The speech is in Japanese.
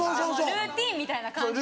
ルーティンみたいな感じです